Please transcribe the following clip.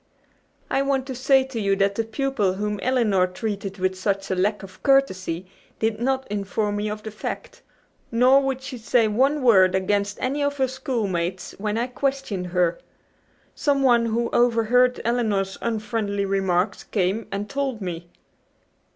"I want to say to you that the pupil whom Elinor treated with such a lack of courtesy did not inform me of the fact. Nor would she say one word against any of her schoolmates when I questioned her. Someone who overheard Elinor's unfriendly remarks came and told me."